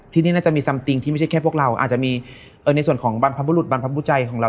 ที่นี่น่าจะมีซัมติงที่ไม่ใช่แค่พวกเราอาจจะมีในส่วนของบรรพบุรุษบรรพบุจัยของเรา